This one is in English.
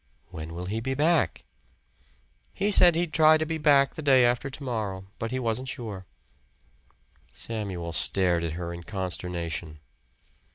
"When will he be back?" "He said he'd try to be back the day after tomorrow; but he wasn't sure." Samuel stared at her in consternation.